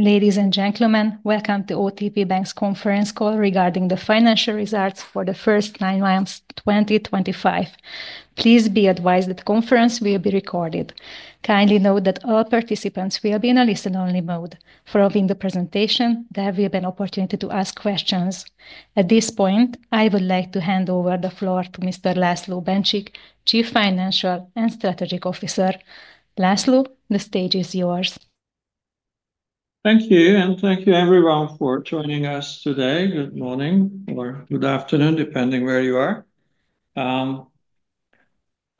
Ladies and gentlemen, Welcome to OTP Bank's conference call regarding the financial results for the first nine months of 2025. Please be advised that the conference will be recorded. Kindly note that all participants will be in a listen-only mode. Following the presentation, there will be an opportunity to ask questions. At this point, I would like to hand over the floor to Mr. László Bencsik, Chief Financial and Strategic Officer. László, the stage is yours. Thank you, and thank you everyone for joining us today. Good morning, or good afternoon, depending on where you are.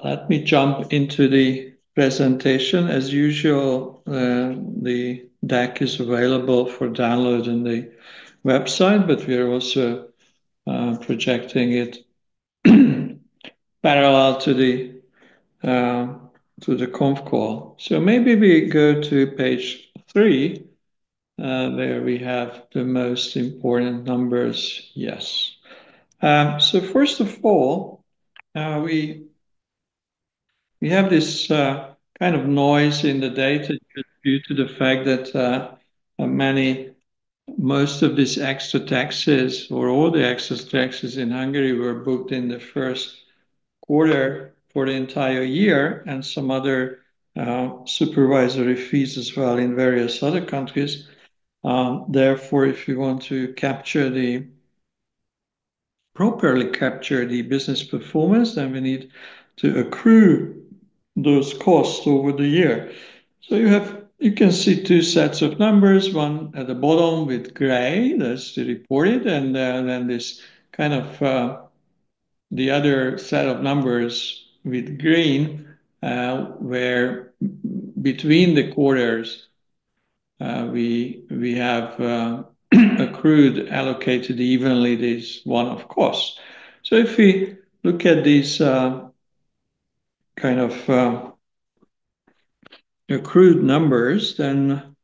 Let me jump into the presentation. As usual, the deck is available for download on the website, but we are also projecting it parallel to the conf call. Maybe we go to page three, where we have the most important numbers. Yes. First of all, we have this kind of noise in the data due to the fact that most of these extra taxes, or all the extra taxes in Hungary, were booked in the first quarter for the entire year, and some other supervisory fees as well in various other countries. Therefore, if we want to properly capture the business performance, then we need to accrue those costs over the year. You can see two sets of numbers: one at the bottom with gray, that's the reported, and then the other set of numbers with green, where between the quarters we have accrued, allocated evenly, this one-off costs. If we look at these kind of accrued numbers, then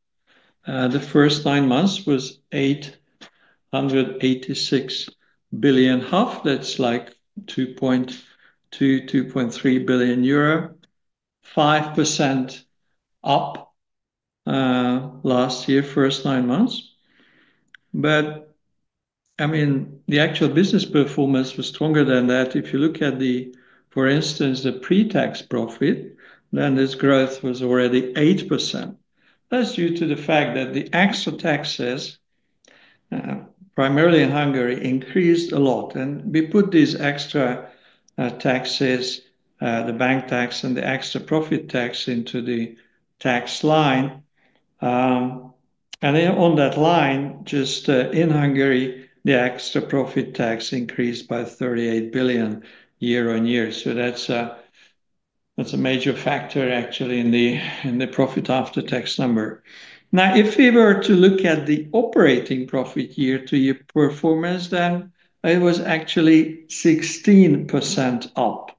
the first nine months was 886 billion. That's like 2.2, 2.3 billion, 5% up last year, first nine months. I mean, the actual business performance was stronger than that. If you look at, for instance, the pre-tax profit, then this growth was already 8%. That's due to the fact that the extra taxes, primarily in Hungary, increased a lot. We put these extra taxes, the bank tax and the extra profit tax, into the tax line. On that line, just in Hungary, the extra profit tax increased by 38 billion on year. That's a major factor, actually, in the profit after tax number. If we were to look at the operating profit year-to-year performance, then it was actually 16% up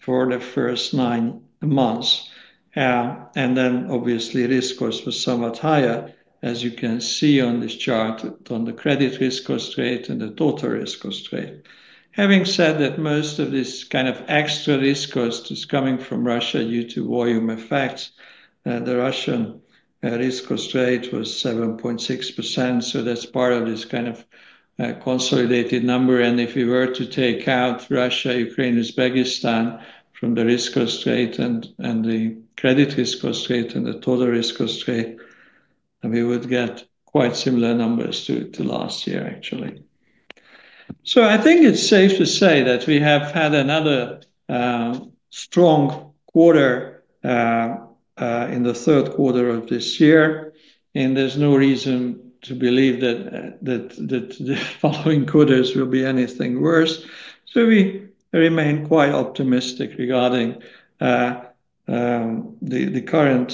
for the first nine months. Obviously, risk cost was somewhat higher, as you can see on this chart, on the credit risk cost rate and the total risk cost rate. Having said that, most of this kind of extra risk cost is coming from Russia due to volume effects. The Russian risk cost rate was 7.6%, so that's part of this kind of consolidated number. If we were to take out Russia, Ukraine, Uzbekistan from the risk cost rate and the credit risk cost rate and the total risk cost rate, we would get quite similar numbers to last year, actually. I think it's safe to say that we have had another strong quarter in the third quarter of this year, and there's no reason to believe that the following quarters will be anything worse. We remain quite optimistic regarding the current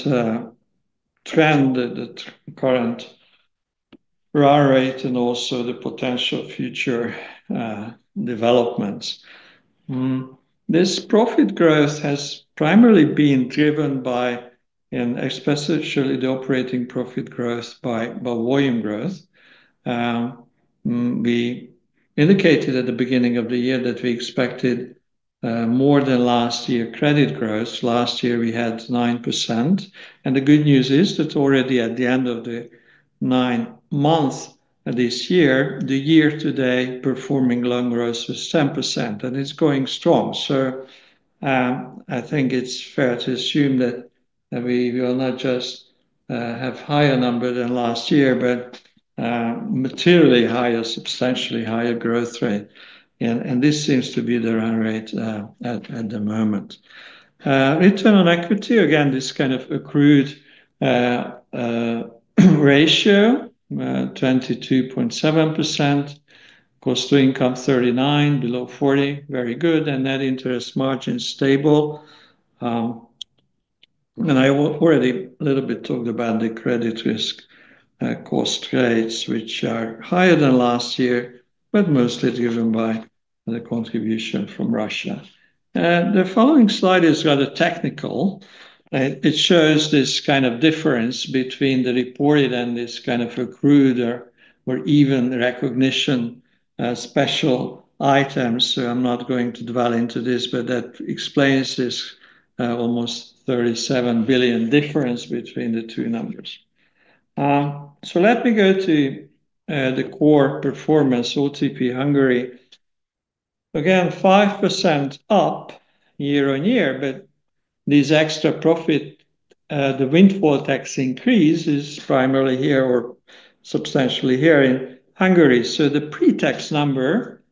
trend, the current run rate, and also the potential future developments. This profit growth has primarily been driven by, and especially the operating profit growth, by volume growth. We indicated at the beginning of the year that we expected more than last year's credit growth. Last year, we had 9%. The good news is that already at the end of the nine months of this year, the year-to-date performing loan growth was 10%, and it's going strong. I think it's fair to assume that we will not just have a higher number than last year, but materially higher, substantially higher growth rate. This seems to be the run rate at the moment. Return on equity, again, this kind of accrued ratio, 22.7%, cost to income 39%, below 40%, very good. Net Interest Margin stable. I already a little bit talked about the credit risk cost rates, which are higher than last year, but mostly driven by the contribution from Russia. The following slide is rather technical. It shows this kind of difference between the reported and this kind of accrued or even recognition special items. I am not going to dwell into this, but that explains this almost 37 billion difference between the two numbers. Let me go to the core performance, OTP Hungary. Again, 5% up year on year, but this extra profit, the windfall tax increase, is primarily here or substantially here in Hungary. The pre-tax number,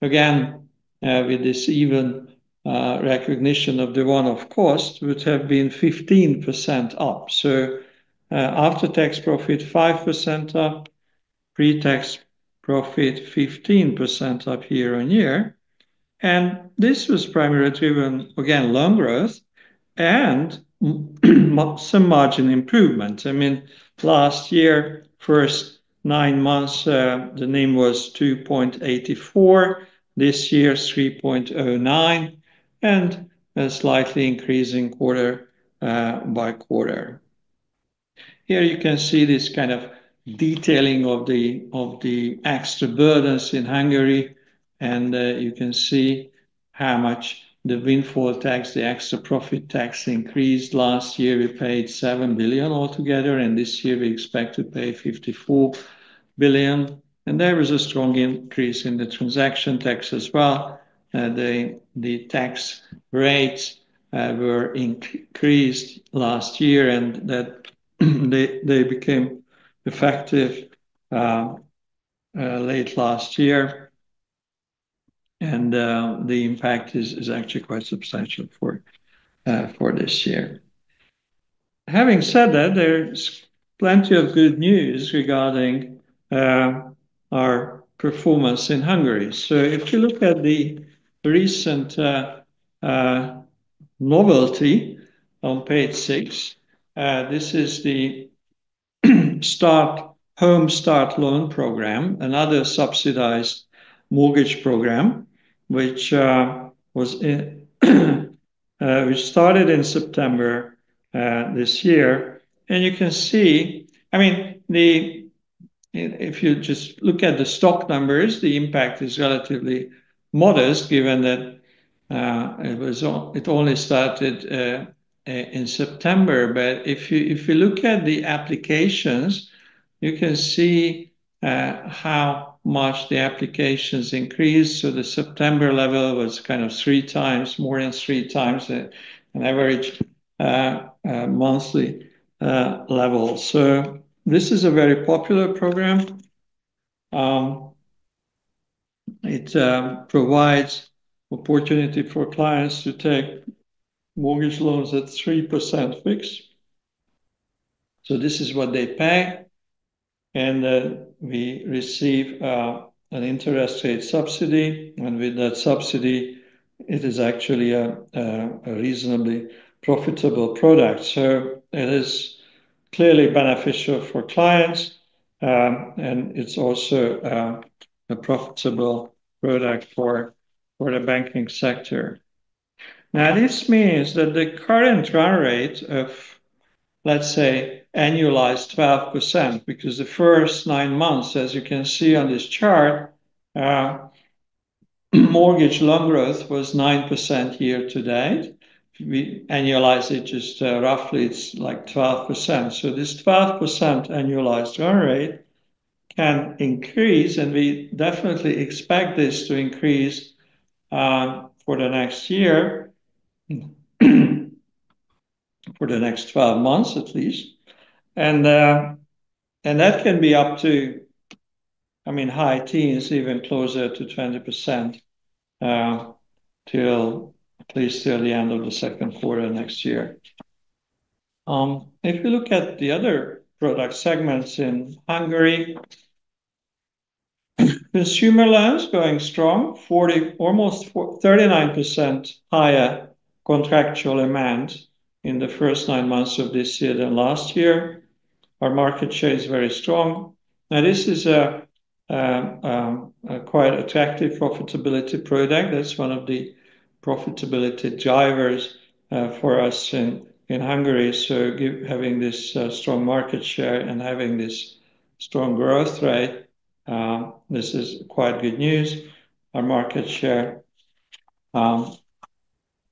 again, with this even recognition of the one-off cost, would have been 15% up. After-tax profit 5% up, pre-tax profit 15% up year on year. This was primarily driven, again, loan growth and some margin improvement. I mean, last year, first nine months, the NIM was 2.84. This year, 3.09, and a slightly increasing quarter by quarter. Here you can see this kind of detailing of the extra burdens in Hungary, and you can see how much the windfall tax, the extra profit tax increased. Last year, we paid 7 billion altogether, and this year we expect to pay 54 billion. There was a strong increase in the transaction tax as well. The tax rates were increased last year, and they became effective late last year. The impact is actually quite substantial for this year. Having said that, there's plenty of good news regarding our performance in Hungary. If you look at the recent novelty on page six, this is the Home Start Loan Program, another subsidized mortgage program, which started in September this year. You can see, I mean, if you just look at the stock numbers, the impact is relatively modest, given that it only started in September. If you look at the applications, you can see how much the applications increased. The September level was kind of three times, more than three times an average monthly level. This is a very popular program. It provides opportunity for clients to take mortgage loans at 3% fixed. This is what they pay, and we receive an interest rate subsidy. With that subsidy, it is actually a reasonably profitable product. It is clearly beneficial for clients, and it's also a profitable product for the banking sector. Now, this means that the current run rate of, let's say, annualized 12%, because the first nine months, as you can see on this chart, mortgage loan growth was 9% year-to-date. If we annualize it just roughly, it's like 12%. This 12% annualized run rate can increase, and we definitely expect this to increase for the next year, for the next 12 months at least. That can be up to, I mean, high teens, even closer to 20%, at least till the end of the second quarter next year. If you look at the other product segments in Hungary, consumer loans going strong, almost 39% higher contractual amount in the first nine months of this year than last year. Our market share is very strong. Now, this is a quite attractive profitability product. That's one of the profitability drivers for us in Hungary. Having this strong market share and having this strong growth rate, this is quite good news. Our market share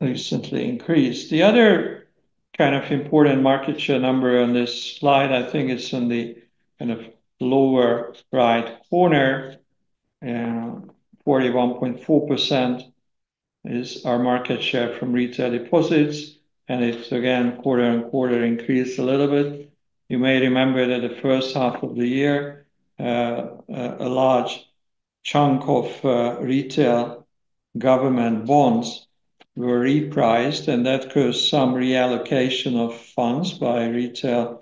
recently increased. The other kind of important market share number on this slide, I think it's in the kind of lower right corner, 41.4% is our market share from retail deposits. It's, again, quarter on quarter increased a little bit. You may remember that the first half of the year, a large chunk of retail government bonds were repriced, and that caused some reallocation of funds by retail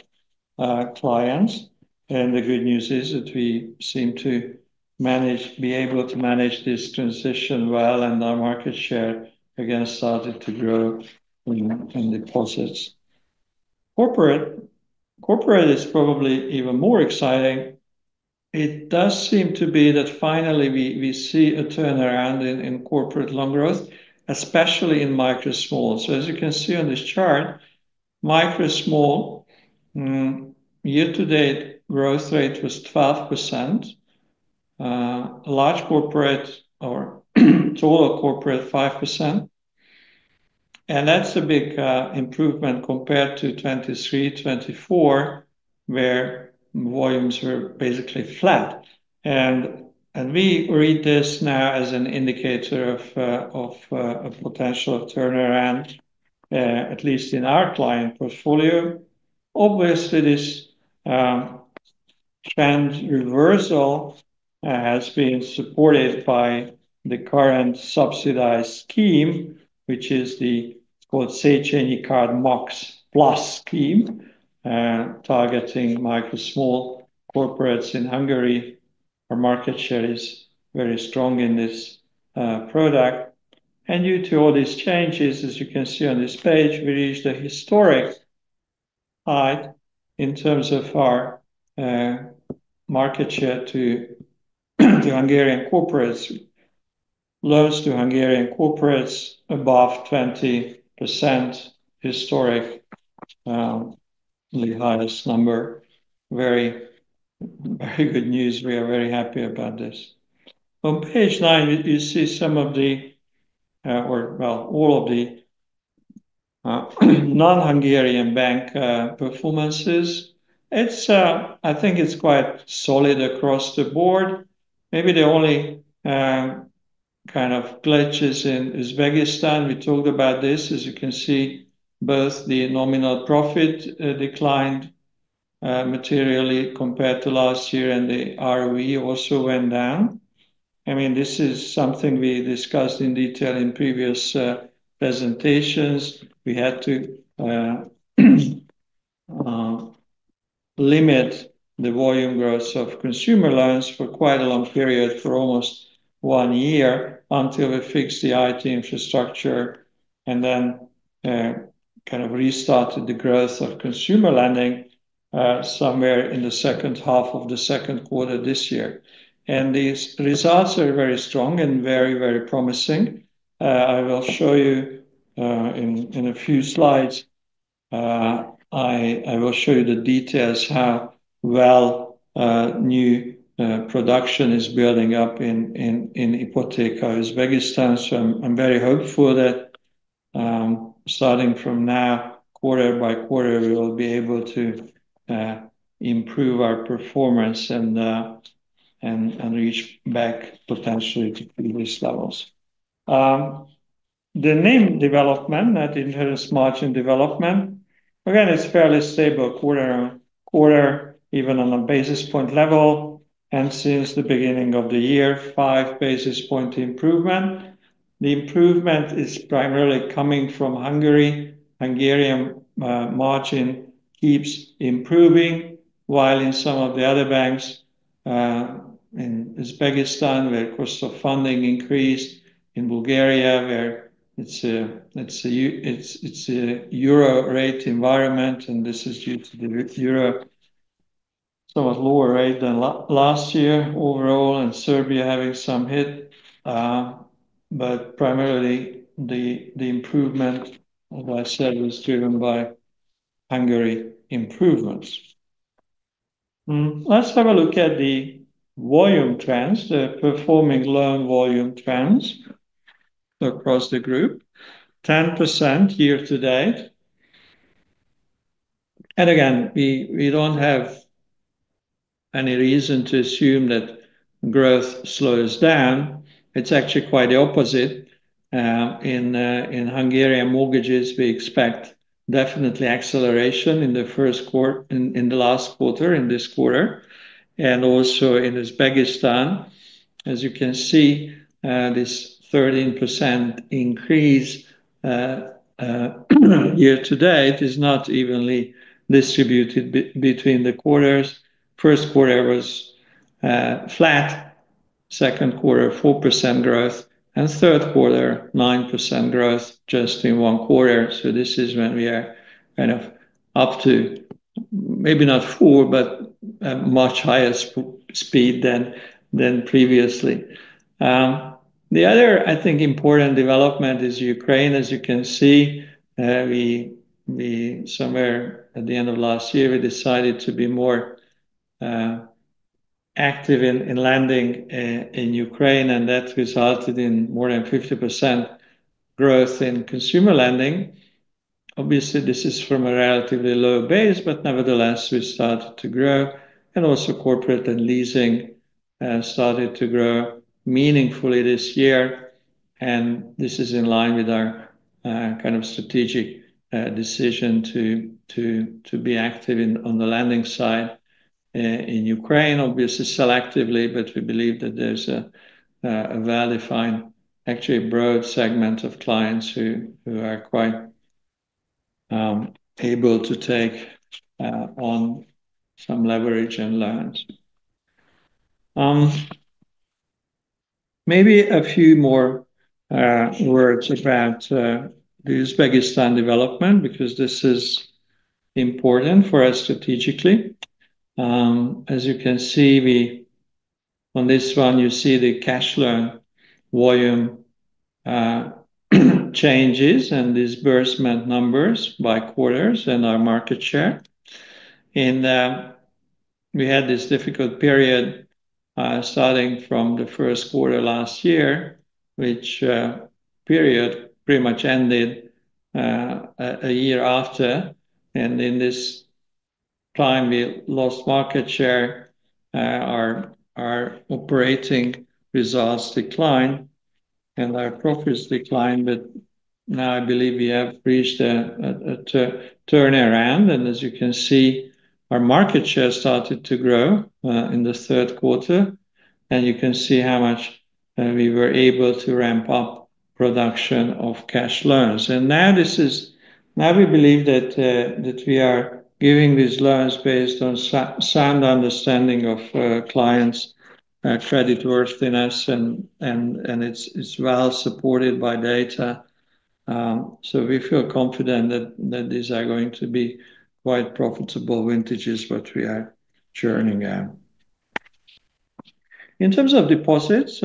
clients. The good news is that we seem to be able to manage this transition well, and our market share again started to grow in deposits. Corporate is probably even more exciting. It does seem to be that finally we see a turnaround in corporate loan growth, especially in micro and small. As you can see on this chart, micro and small, year-to-date growth rate was 12%. Large corporate or total corporate, 5%. That is a big improvement compared to 2023, 2024, where volumes were basically flat. We read this now as an indicator of a potential turnaround, at least in our client portfolio. Obviously, this trend reversal has been supported by the current subsidized scheme, which is called Széchenyi Card MAX+ scheme targeting micro and small corporates in Hungary. Our market share is very strong in this product. Due to all these changes, as you can see on this page, we reached a historic high in terms of our market share to Hungarian corporates, loans to Hungarian corporates above 20%, historically highest number. Very good news. We are very happy about this. On page nine, you see some of the, or well, all of the non-Hungarian bank performances. I think it's quite solid across the board. Maybe the only kind of glitch is in Uzbekistan. We talked about this. As you can see, both the nominal profit declined materially compared to last year, and the ROE also went down. I mean, this is something we discussed in detail in previous presentations. We had to limit the volume growth of consumer loans for quite a long period, for almost one year, until we fixed the IT infrastructure and then kind of restarted the growth of consumer lending somewhere in the second half of the second quarter this year. And these results are very strong and very, very promising. I will show you in a few slides, I will show you the details how well new production is building up in Ipoteka Uzbekistan. I am very hopeful that starting from now, quarter by quarter, we will be able to improve our performance and reach back potentially to previous levels. The name development, that inherent margin development, again, it is fairly stable, quarter on quarter, even on a basis point level. Since the beginning of the year, five basis point improvement. The improvement is primarily coming from Hungary. Hungarian margin keeps improving, while in some of the other banks in Uzbekistan, where cost of funding increased, in Bulgaria, where it is a euro rate environment, and this is due to the euro somewhat lower rate than last year overall, and Serbia having some hit. Primarily, the improvement, as I said, was driven by Hungary improvements. Let's have a look at the volume trends, the performing loan volume trends across the group, 10% year-to-date. We do not have any reason to assume that growth slows down. It's actually quite the opposite. In Hungarian mortgages, we expect definitely acceleration in the first quarter, in the last quarter, in this quarter. Also in Uzbekistan, as you can see, this 13% increase year-to-date is not evenly distributed between the quarters. First quarter was flat, second quarter 4% growth, and third quarter 9% growth just in one quarter. This is when we are kind of up to maybe not 4, but a much higher speed than previously. The other, I think, important development is Ukraine. As you can see, somewhere at the end of last year, we decided to be more active in lending in Ukraine, and that resulted in more than 50% growth in consumer lending. Obviously, this is from a relatively low base, but nevertheless, we started to grow. Also, corporate and leasing started to grow meaningfully this year. This is in line with our kind of strategic decision to be active on the lending side in Ukraine, obviously selectively, but we believe that there's a well-defined, actually broad segment of clients who are quite able to take on some leverage and loans. Maybe a few more words about the Uzbekistan development, because this is important for us strategically. As you can see, on this one, you see the cash loan volume changes and disbursement numbers by quarters and our market share. We had this difficult period starting from the first quarter last year, which period pretty much ended a year after. In this time, we lost market share. Our operating results declined, and our profits declined. I believe we have reached a turnaround. As you can see, our market share started to grow in the third quarter. You can see how much we were able to ramp up production of cash loans. We believe that we are giving these loans based on sound understanding of clients' creditworthiness, and it is well supported by data. We feel confident that these are going to be quite profitable vintages, what we are churning out. In terms of deposits,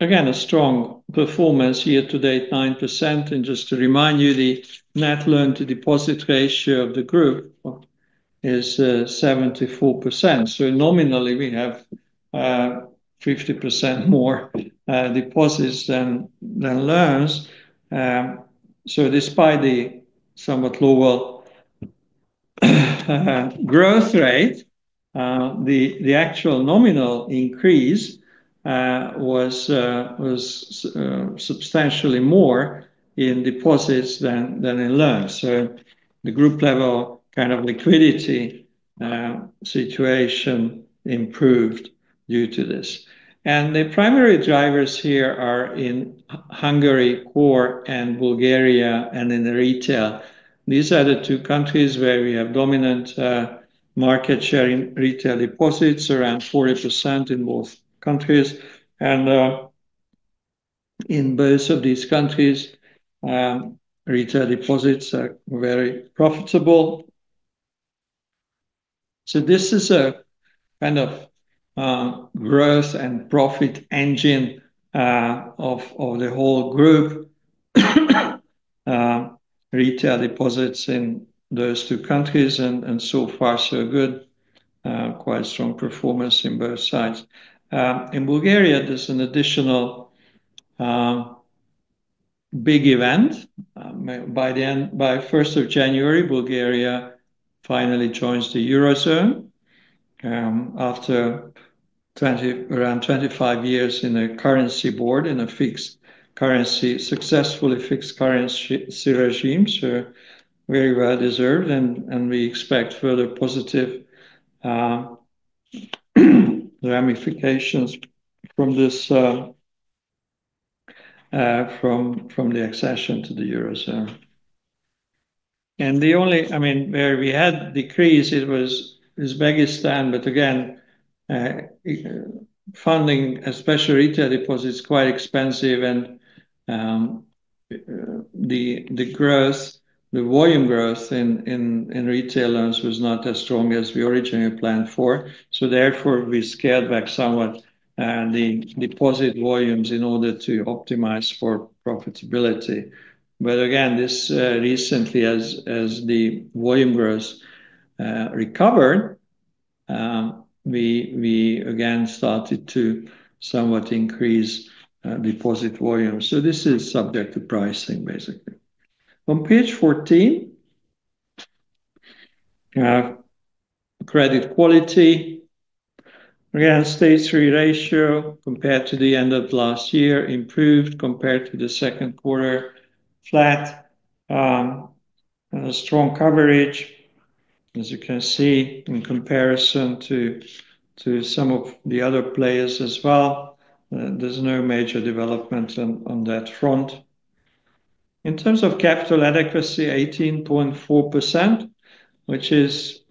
again, a strong performance year-to-date, 9%. Just to remind you, the net loan-to-deposit ratio of the group is 74%. Nominally, we have 50% more deposits than loans. Despite the somewhat lower growth rate, the actual nominal increase was substantially more in deposits than in loans. The group level kind of liquidity situation improved due to this. The primary drivers here are in Hungary, core, and Bulgaria, and in retail. These are the two countries where we have dominant market share in retail deposits, around 40% in both countries. In both of these countries, retail deposits are very profitable. This is a kind of growth and profit engine of the whole group, retail deposits in those two countries. So far, so good, quite strong performance in both sides. In Bulgaria, there is an additional big event. By 1st of January, Bulgaria finally joins the eurozone after around 25 years in a currency board, in a successfully fixed currency regime. Very well deserved. We expect further positive ramifications from the accession to the eurozone. The only, I mean, where we had decrease, it was Uzbekistan. Again, funding, especially retail deposits, is quite expensive. The volume growth in retail loans was not as strong as we originally planned for. Therefore, we scaled back somewhat the deposit volumes in order to optimize for profitability. Again, recently, as the volume growth recovered, we again started to somewhat increase deposit volumes. This is subject to pricing, basically. On page 14, credit quality, again, stage three ratio compared to the end of last year, improved compared to the second quarter, flat, and a strong coverage, as you can see, in comparison to some of the other players as well. There is no major development on that front. In terms of capital adequacy, 18.4%, which is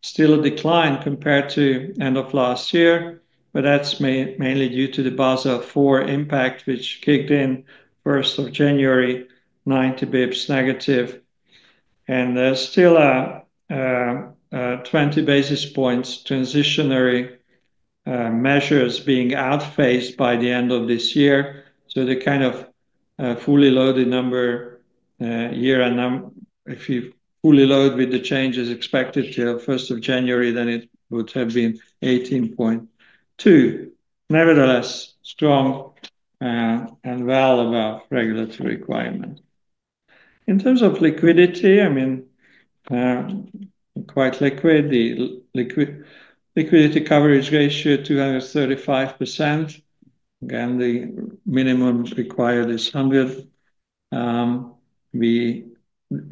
still a decline compared to the end of last year. That is mainly due to the Basel IV impact, which kicked in 1st of January, 90 bps-. There is still 20 basis points transitionary measures being outfaced by the end of this year. The kind of fully loaded number here, if you fully load with the changes expected till 1st of January, then it would have been 18.2 basis points. Nevertheless, strong and well above regulatory requirement. In terms of liquidity, I mean, quite liquid. The Liquidity Coverage Ratio, 235%. Again, the minimum required is 100%.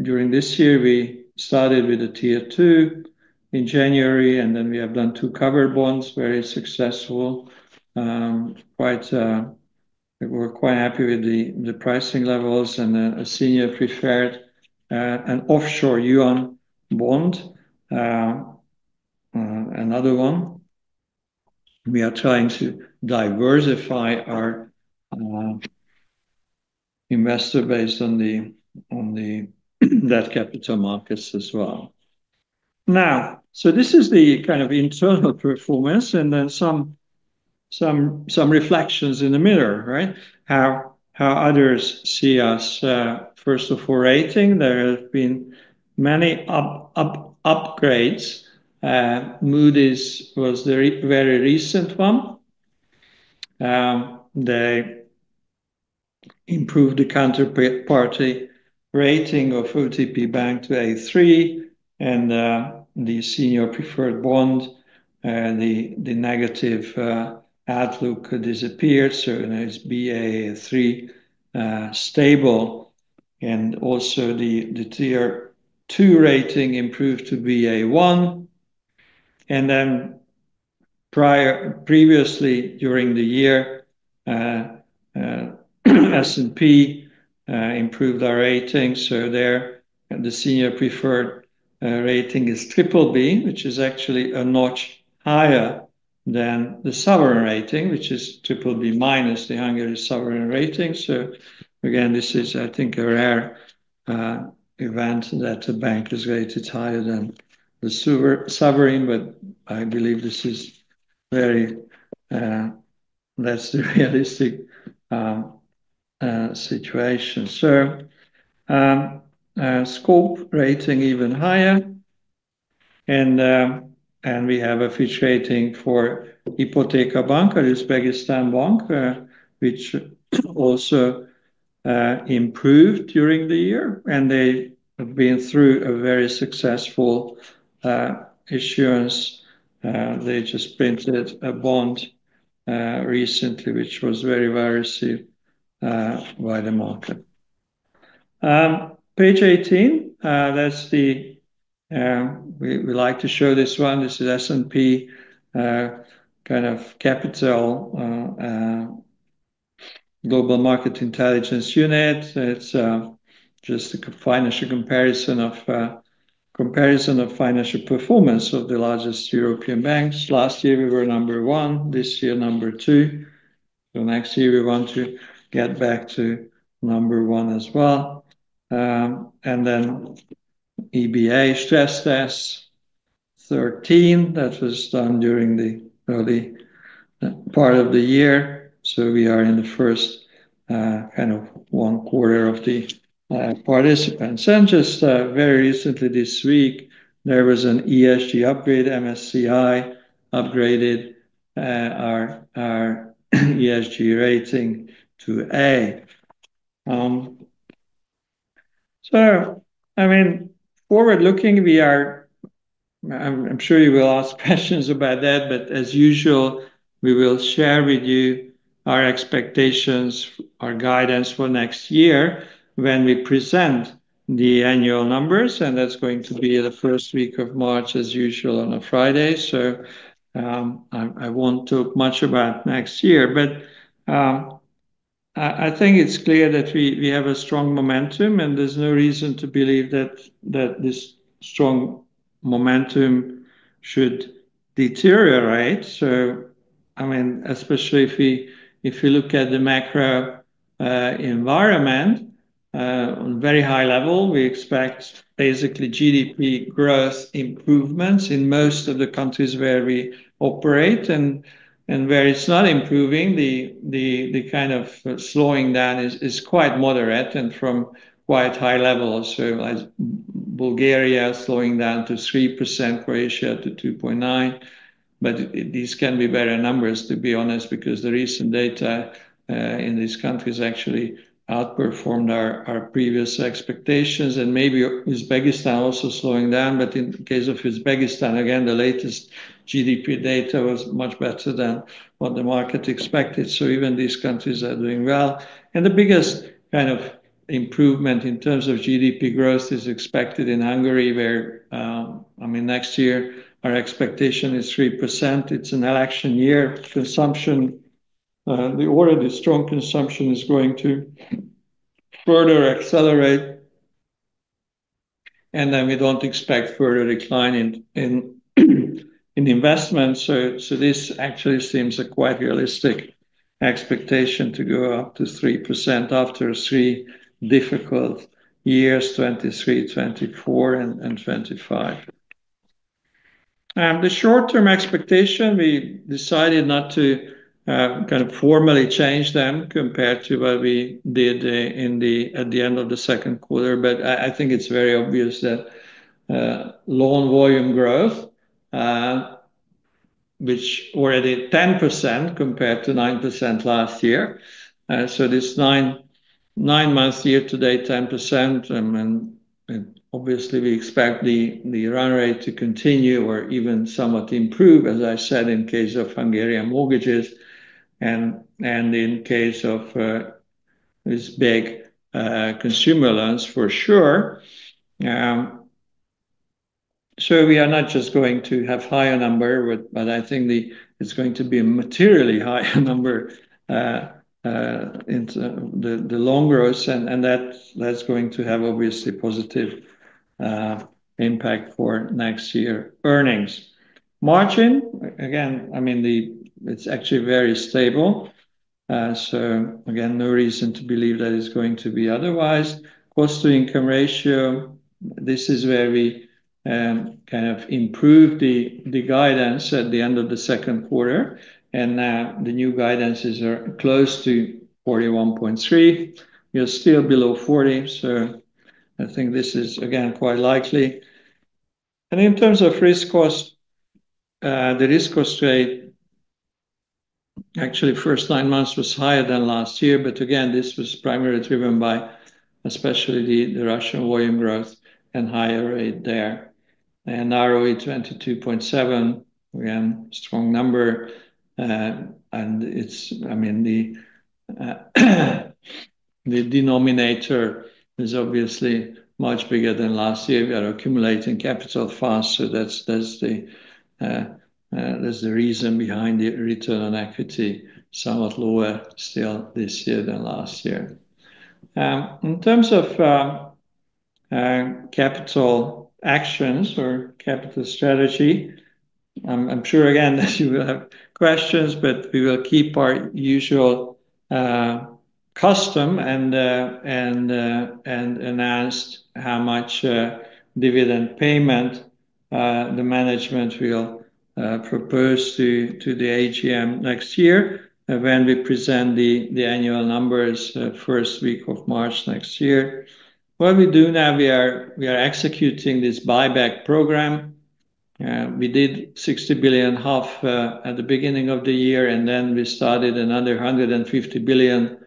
During this year, we started with a Tier 2 in January, and then we have done two covered bonds, very successful. We were quite happy with the pricing levels. And a senior preferred, an offshore yuan bond, another one. We are trying to diversify our investor base on that capital markets as well. Now, this is the kind of internal performance, and then some reflections in the mirror, right? How others see us, first of all, rating. There have been many upgrades. Moody's was the very recent one. They improved the counterparty rating of OTP Bank to A3. The senior preferred bond, the negative outlook disappeared. It is Baa3 stable. Also, the Tier 2 rating improved to Baa1. Previously during the year, S&P improved our rating. There, the senior preferred rating is BBB, which is actually a notch higher than the sovereign rating, which is triple BBB-, the Hungary sovereign rating. I think this is a rare event that a bank is rated higher than the sovereign. I believe this is very, that's the realistic situation. Scope Rating even higher. We have a fixed rating for Ipoteka Bank, Uzbekistan Bank, which also improved during the year. They have been through a very successful issuance. They just printed a bond recently, which was very well received by the market. Page 18, that's the we like to show this one. This is S&P kind of capital global market intelligence unit. It's just a financial comparison of financial performance of the largest European banks. Last year, we were number one. This year, number two. Next year, we want to get back to number one as well. EBA stress test 13. That was done during the early part of the year. We are in the first kind of one quarter of the participants. Just very recently this week, there was an ESG upgrade. MSCI upgraded our ESG rating to A. I mean, forward looking, we are I'm sure you will ask questions about that. As usual, we will share with you our expectations, our guidance for next year when we present the annual numbers. That is going to be the first week of March, as usual, on a Friday. I will not talk much about next year. I think it is clear that we have a strong momentum, and there is no reason to believe that this strong momentum should deteriorate. I mean, especially if we look at the macro environment, on a very high level, we expect basically GDP growth improvements in most of the countries where we operate. Where it is not improving, the kind of slowing down is quite moderate and from quite high levels. Bulgaria slowing down to 3%, Croatia to 2.9%. These can be better numbers, to be honest, because the recent data in these countries actually outperformed our previous expectations. Maybe Uzbekistan also slowing down. In the case of Uzbekistan, again, the latest GDP data was much better than what the market expected. Even these countries are doing well. The biggest kind of improvement in terms of GDP growth is expected in Hungary, where, I mean, next year, our expectation is 3%. It's an election year. Consumption, the order of the strong consumption, is going to further accelerate. We do not expect further decline in investments. This actually seems a quite realistic expectation to go up to 3% after three difficult years, 2023, 2024, and 2025. The short-term expectation, we decided not to formally change them compared to what we did at the end of the second quarter. I think it's very obvious that loan volume growth, which is already 10% compared to 9% last year. This nine-month year-to-date, 10%. I mean, obviously, we expect the run rate to continue or even somewhat improve, as I said, in case of Hungarian mortgages and in case of these big consumer loans, for sure. We are not just going to have a higher number, but I think it is going to be a materially higher number in the loan growth. That is going to have obviously positive impact for next year's earnings. Margin, again, I mean, it is actually very stable. Again, no reason to believe that it is going to be otherwise. Cost to Income Ratio, this is where we kind of improved the guidance at the end of the second quarter. Now the new guidances are close to 41.3%. We are still below 40%. I think this is, again, quite likely. In terms of risk cost, the Risk Cost Rate, actually, first nine months was higher than last year. Again, this was primarily driven by especially the Russian volume growth and higher rate there. ROE 22.7%, again, strong number. I mean, the denominator is obviously much bigger than last year. We are accumulating capital fast. That's the reason behind the return on equity, somewhat lower still this year than last year. In terms of capital actions or capital strategy, I'm sure, again, that you will have questions, but we will keep our usual custom and announce how much dividend payment the management will propose to the AGM next year when we present the annual numbers first week of March next year. What we do now, we are executing this buyback program. We did 60 billion half at the beginning of the year, and then we started another 150 billion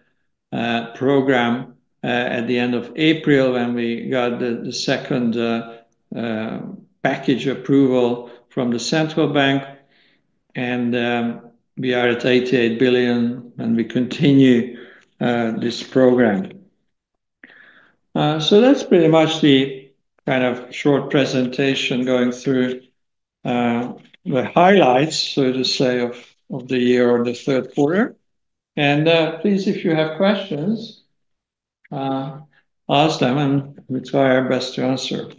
program at the end of April when we got the second package approval from the central bank. We are at 88 billion, and we continue this program. That is pretty much the kind of short presentation going through the highlights, so to say, of the year or the third quarter. Please, if you have questions, ask them, and we try our best to answer.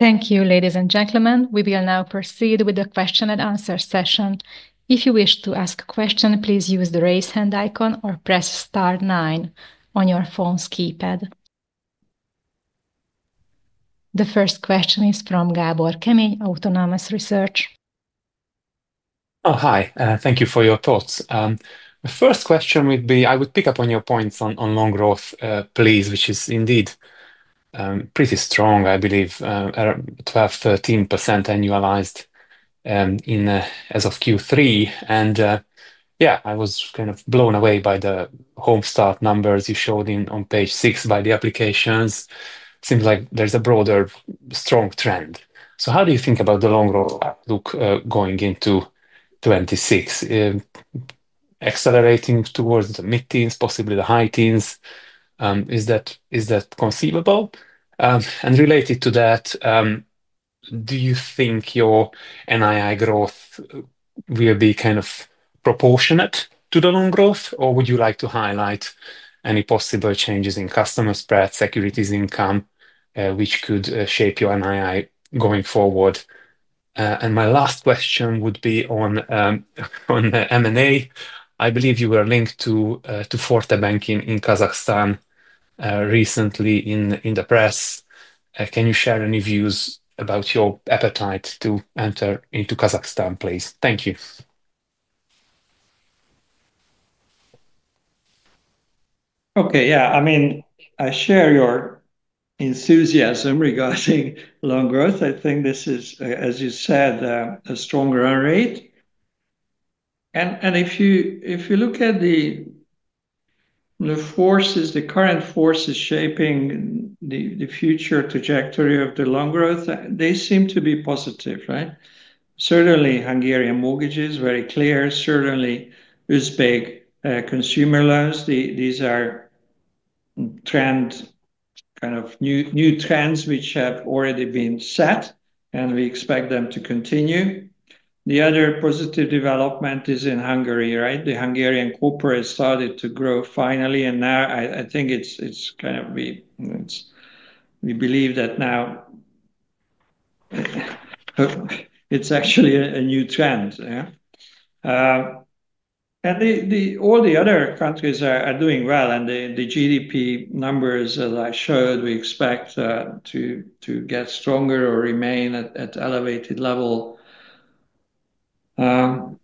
Thank you, ladies and gentlemen. We will now proceed with the question and answer session. If you wish to ask a question, please use the raise hand icon or press star nine on your phone's keypad. The first question is from Gábor Kemény Autonomous Research. Oh, hi. Thank you for your thoughts. The first question would be, I would pick up on your points on loan growth, please, which is indeed pretty strong, I believe, 12%-13% annualized as of Q3. Yeah, I was kind of blown away by the Home Start numbers you showed on page six by the applications. Seems like there's a broader, strong trend. How do you think about the loan growth outlook going into 2026, accelerating towards the mid-teens, possibly the high-teens? Is that conceivable? Related to that, do you think your NII growth will be kind of proportionate to the loan growth, or would you like to highlight any possible changes in customer spread, securities income, which could shape your NII going forward? My last question would be on M&A. I believe you were linked to ForteBank in Kazakhstan recently in the press. Can you share any views about your appetite to enter into Kazakhstan, please? Thank you. Okay, yeah. I mean, I share your enthusiasm regarding loan growth. I think this is, as you said, a stronger rate. If you look at the forces, the current forces shaping the future trajectory of the loan growth, they seem to be positive, right? Certainly, Hungarian mortgages, very clear. Certainly, Uzbek consumer loans, these are trends, kind of new trends which have already been set, and we expect them to continue. The other positive development is in Hungary, right? The Hungarian corporate started to grow finally. I think it's kind of we believe that now it's actually a new trend, yeah? All the other countries are doing well. The GDP numbers that I showed, we expect to get stronger or remain at elevated level. Again,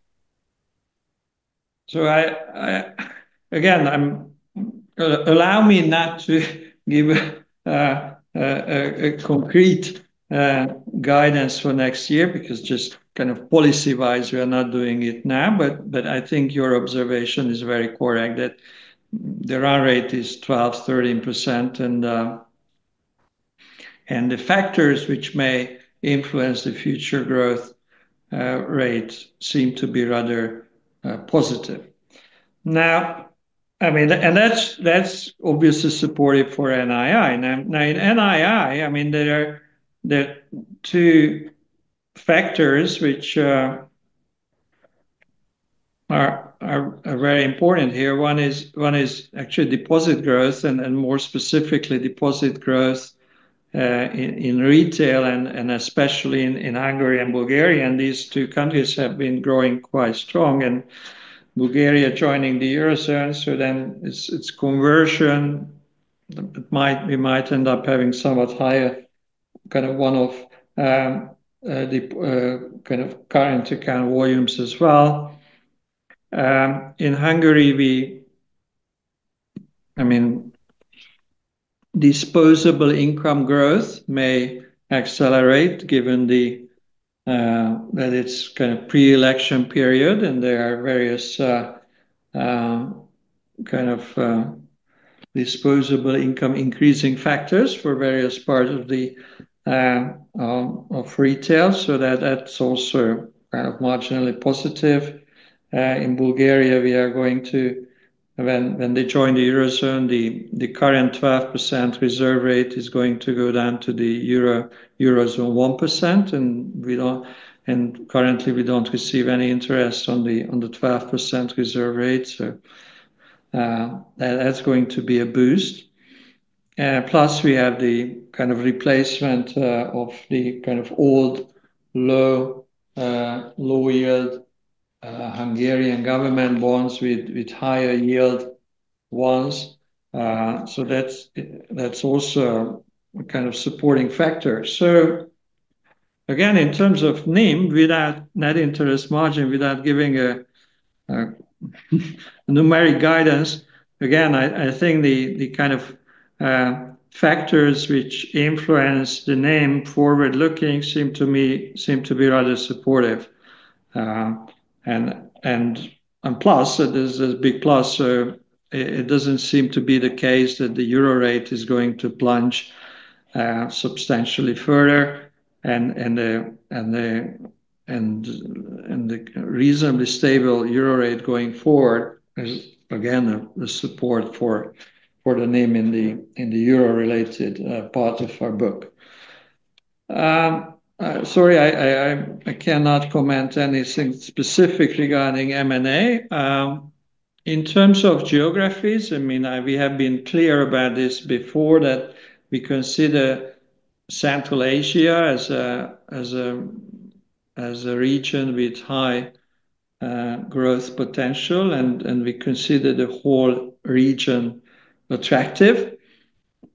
allow me not to give a concrete guidance for next year because just kind of policy-wise, we are not doing it now. I think your observation is very correct that the run rate is 12%-13%. The factors which may influence the future growth rate seem to be rather positive. I mean, and that is obviously supportive for NII. In NII, there are two factors which are very important here. One is actually deposit growth, and more specifically, deposit growth in retail, and especially in Hungary and Bulgaria. These two countries have been growing quite strong. Bulgaria joining the eurozone, so then its conversion. We might end up having somewhat higher kind of one of the kind of current account volumes as well. In Hungary, disposable income growth may accelerate given that it is kind of pre-election period. There are various kind of disposable income increasing factors for various parts of retail. That is also kind of marginally positive. In Bulgaria, we are going to, when they join the eurozone, the current 12% reserve rate is going to go down to the eurozone 1%. Currently, we do not receive any interest on the 12% reserve rate. That is going to be a boost. Plus, we have the kind of replacement of the kind of old low-yield Hungarian government bonds with higher-yield ones. That is also a kind of supporting factor. Again, in terms of NIM, without Net Interest Margin, without giving a numeric guidance, I think the kind of factors which influence the NIM, forward-looking, seem to me to be rather supportive. Plus, there is this big plus. It does not seem to be the case that the euro rate is going to plunge substantially further. The reasonably stable euro rate going forward is, again, the support for the name in the euro-related part of our book. Sorry, I cannot comment anything specific regarding M&A. In terms of geographies, I mean, we have been clear about this before that we consider Central Asia as a region with high growth potential. We consider the whole region attractive.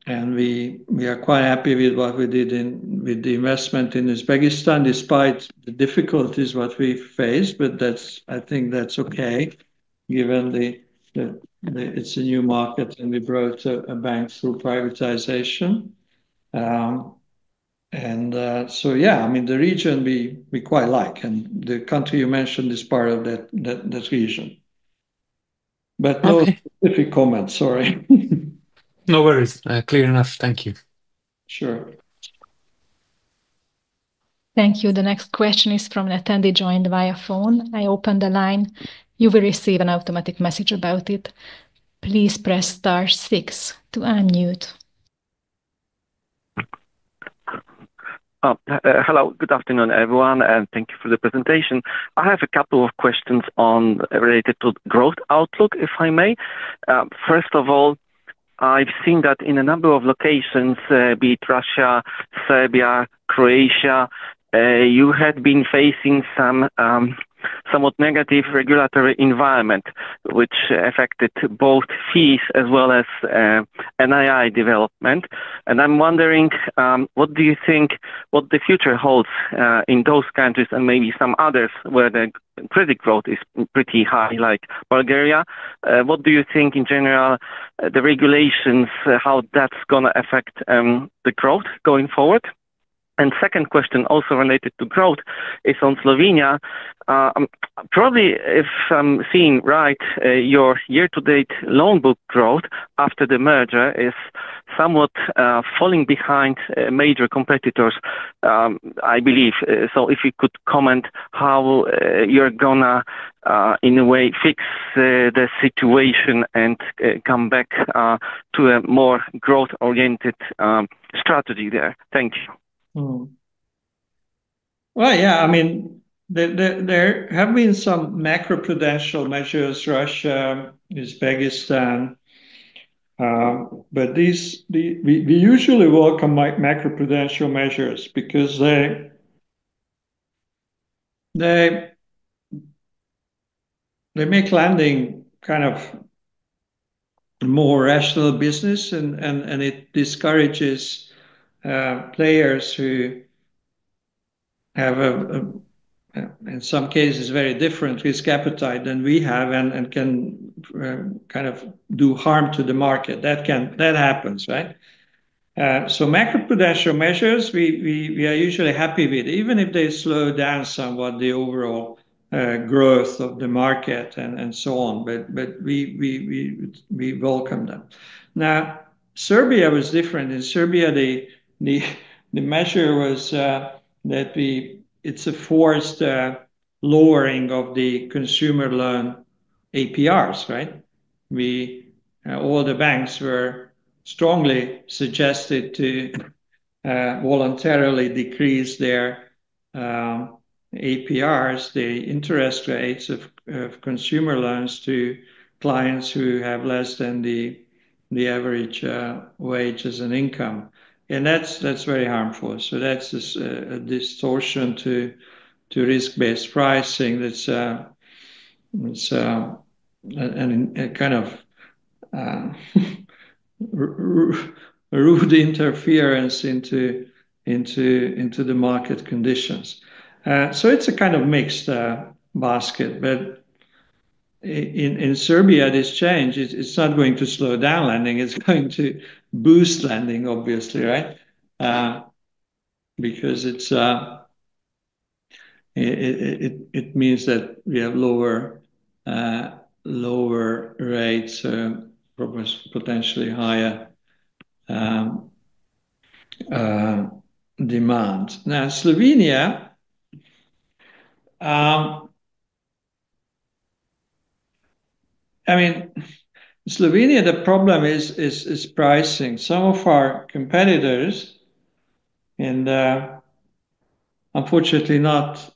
We are quite happy with what we did with the investment in Uzbekistan despite the difficulties that we faced. I think that is okay given it is a new market and we brought a bank through privatization. Yeah, I mean, the region we quite like. The country you mentioned is part of that region. No specific comments, sorry. No worries. Clear enough. Thank you. Sure. Thank you. The next question is from an attendee joined via phone. I open the line. You will receive an automatic message about it. Please press star six to unmute. Hello. Good afternoon, everyone. And thank you for the presentation. I have a couple of questions related to growth outlook, if I may. First of all, I've seen that in a number of locations, be it Russia, Serbia, Croatia, you had been facing some somewhat negative regulatory environment, which affected both fees as well as NII development. I'm wondering, what do you think what the future holds in those countries and maybe some others where the credit growth is pretty high, like Bulgaria? What do you think in general, the regulations, how that's going to affect the growth going forward? Second question also related to growth is on Slovenia. Probably, if I'm seeing right, your year-to-date loan book growth after the merger is somewhat falling behind major competitors, I believe. If you could comment how you're going to, in a way, fix the situation and come back to a more growth-oriented strategy there. Thank you. Yeah, I mean, there have been some macroprudential measures, Russia, Uzbekistan. We usually welcome macroprudential measures because they make lending kind of more rational business. It discourages players who have, in some cases, very different risk appetite than we have and can kind of do harm to the market. That happens, right? Macroprudential measures, we are usually happy with, even if they slow down somewhat the overall growth of the market and so on. We welcome them. Now, Serbia was different. In Serbia, the measure was that it's a forced lowering of the consumer loan APRs, right? All the banks were strongly suggested to voluntarily decrease their APRs, the interest rates of consumer loans to clients who have less than the average wages and income. That's very harmful. That's a distortion to risk-based pricing. It's a kind of rude interference into the market conditions. It's a kind of mixed basket. In Serbia, this change, it's not going to slow down lending. It's going to boost lending, obviously, right? Because it means that we have lower rates, potentially higher demand. Now, Slovenia, I mean, Slovenia, the problem is pricing. Some of our competitors, and unfortunately not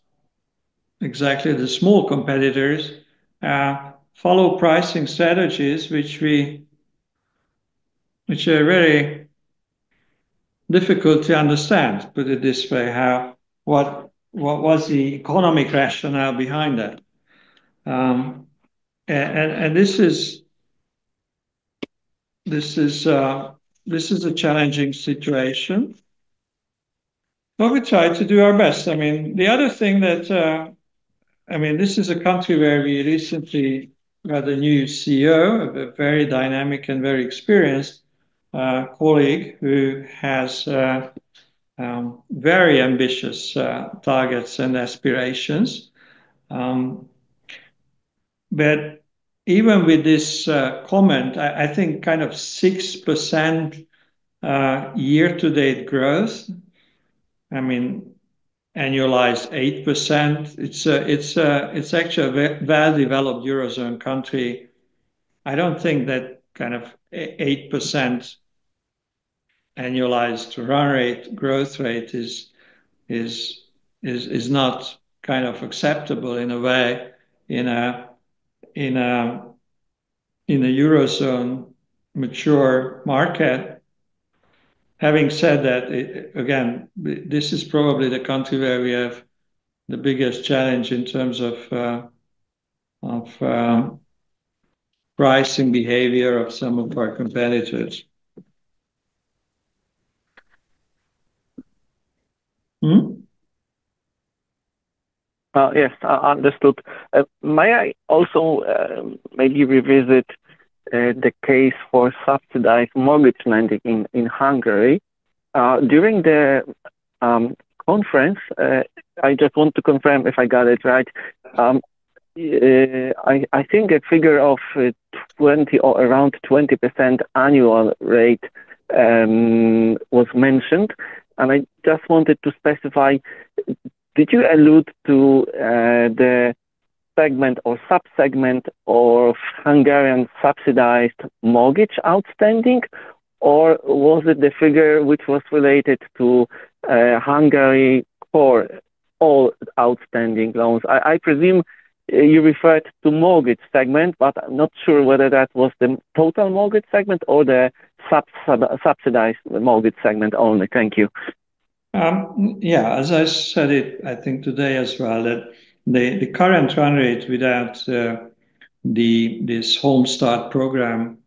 exactly the small competitors, follow pricing strategies which are very difficult to understand, put it this way, what was the economic rationale behind that. This is a challenging situation. We try to do our best. I mean, the other thing that I mean, this is a country where we recently got a new CEO, a very dynamic and very experienced colleague who has very ambitious targets and aspirations. Even with this comment, I think kind of 6% year-to-date growth, I mean, annualized 8%. It is actually a well-developed eurozone country. I do not think that kind of 8% annualized run rate, growth rate is not kind of acceptable in a way in a eurozone mature market. Having said that, again, this is probably the country where we have the biggest challenge in terms of pricing behavior of some of our competitors. Yes, understood. May I also maybe revisit the case for subsidized mortgage lending in Hungary? During the conference, I just want to confirm if I got it right. I think a figure of around 20% annual rate was mentioned. I just wanted to specify, did you allude to the segment or subsegment of Hungarian subsidized mortgage outstanding, or was it the figure which was related to Hungary for all outstanding loans? I presume you referred to mortgage segment, but I'm not sure whether that was the total mortgage segment or the subsidized mortgage segment only. Thank you. Yeah, as I said, I think today as well, that the current run rate without this Home Start Program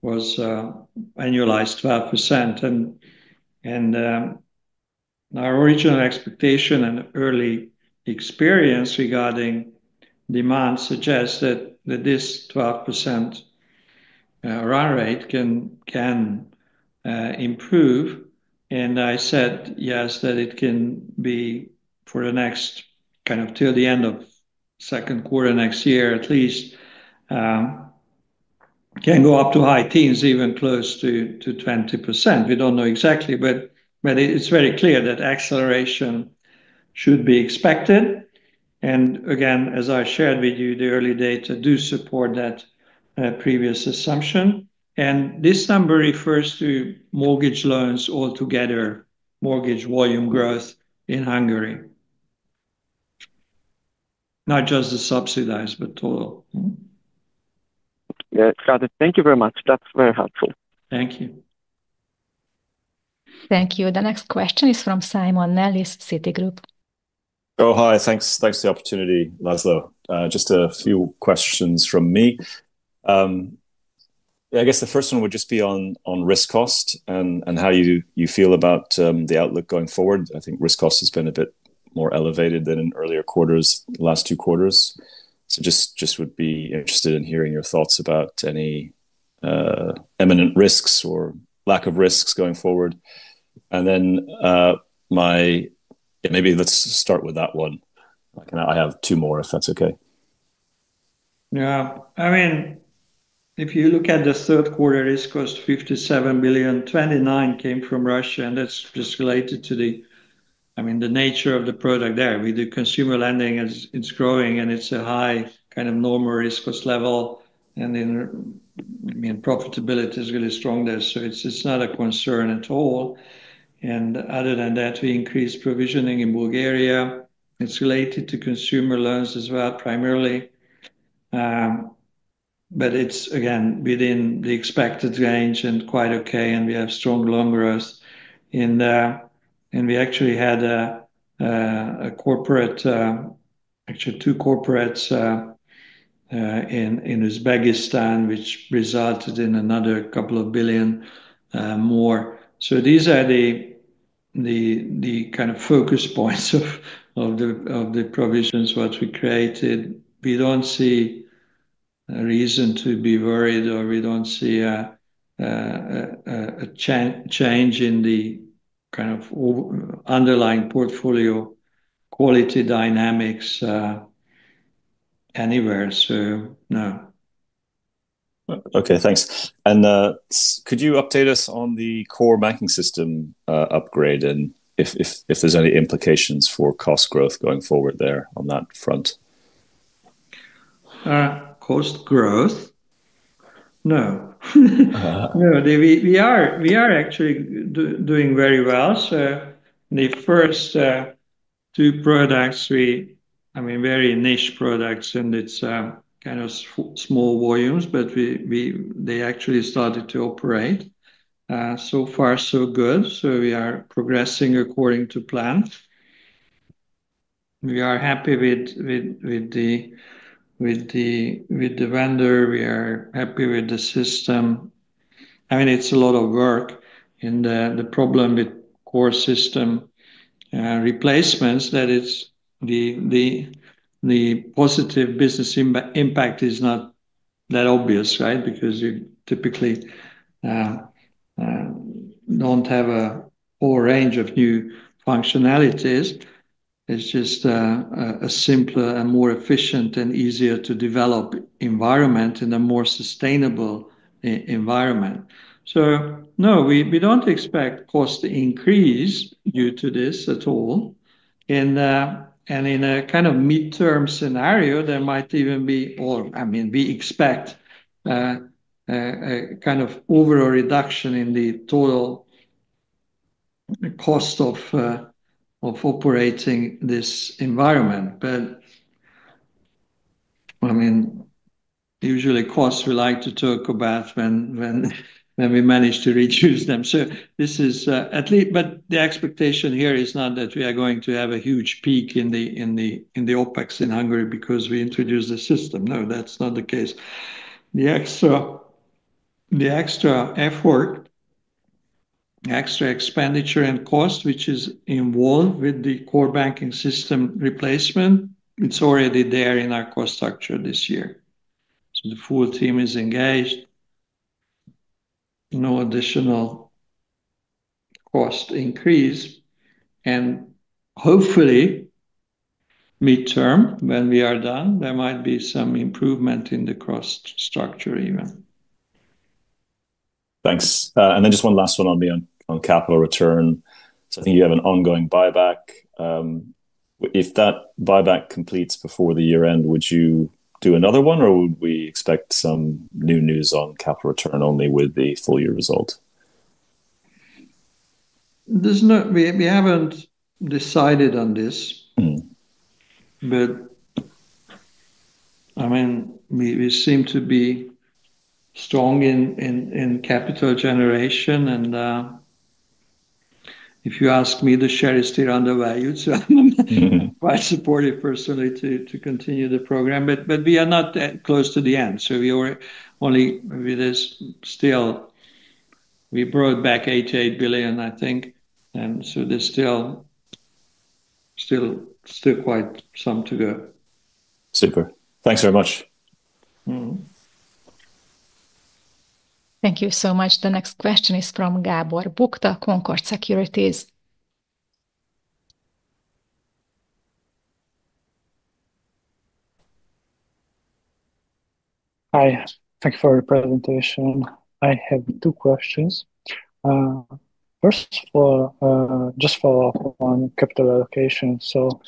was annualized 12%. Our original expectation and early experience regarding demand suggests that this 12% run rate can improve. I said, yes, that it can be for the next kind of till the end of second quarter next year, at least can go up to high teens, even close to 20%. We do not know exactly, but it is very clear that acceleration should be expected. As I shared with you, the early data do support that previous assumption. This number refers to mortgage loans altogether, mortgage volume growth in Hungary. Not just the subsidized, but total. Yeah, got it. Thank you very much. That's very helpful. Thank you. Thank you. The next question is from Simon Nellis, Citigroup. Oh, hi. Thanks for the opportunity, László. Just a few questions from me. I guess the first one would just be on risk cost and how you feel about the outlook going forward. I think risk cost has been a bit more elevated than in earlier quarters, the last two quarters. Just would be interested in hearing your thoughts about any imminent risks or lack of risks going forward. Maybe let's start with that one. I have two more, if that's okay. Yeah. I mean, if you look at the third quarter risk cost, 57 billion, 29 billion came from Russia. And that's just related to the, I mean, the nature of the product there. With the consumer lending, it's growing, and it's a high kind of normal risk cost level. And I mean, profitability is really strong there. So it's not a concern at all. And other than that, we increased provisioning in Bulgaria. It's related to consumer loans as well, primarily. But it's, again, within the expected range and quite okay. And we have strong loan growth. And we actually had a corporate, actually two corporates in Uzbekistan, which resulted in another couple of billion more. So these are the kind of focus points of the provisions that we created. We do not see a reason to be worried, or we do not see a change in the kind of underlying portfolio quality dynamics anywhere. No. Okay, thanks. Could you update us on the core banking system upgrade and if there are any implications for cost growth going forward there on that front? Cost growth? No. No. We are actually doing very well. The first two products, I mean, very niche products, and it is kind of small volumes, but they actually started to operate. So far, so good. We are progressing according to plan. We are happy with the vendor. We are happy with the system. I mean, it is a lot of work. The problem with core system replacements is that the positive business impact is not that obvious, right? Because you typically do not have a whole range of new functionalities. It's just a simpler and more efficient and easier to develop environment in a more sustainable environment. No, we don't expect cost to increase due to this at all. In a kind of midterm scenario, there might even be, or I mean, we expect a kind of overall reduction in the total cost of operating this environment. I mean, usually costs we like to talk about when we manage to reduce them. This is at least, but the expectation here is not that we are going to have a huge peak in the OpEx in Hungary because we introduced the system. No, that's not the case. The extra effort, extra expenditure and cost which is involved with the core banking system replacement, it's already there in our cost structure this year. The full team is engaged. No additional cost increase. And hopefully, midterm, when we are done, there might be some improvement in the cost structure even. Thanks. And then just one last one on the capital return. So I think you have an ongoing buyback. If that buyback completes before the year end, would you do another one, or would we expect some new news on capital return only with the full year result? We haven't decided on this. But I mean, we seem to be strong in capital generation. And if you ask me, the share is still undervalued. So I'm quite supportive personally to continue the program. But we are not close to the end. So we were only, maybe there's still, we brought back 88 billion, I think. And so there's still quite some to go. Super. Thanks very much. Thank you so much. The next question is from Gábor Bukta, Concorde Securities. Hi. Thanks for the presentation. I have two questions. First of all, just follow up on capital allocation. So